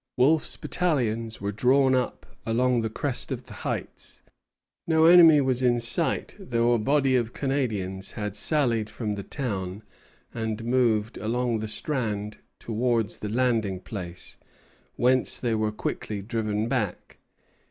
Wolfe's battalions were drawn up along the crest of the heights. No enemy was in sight, though a body of Canadians had sallied from the town and moved along the strand towards the landing place, whence they were quickly driven back.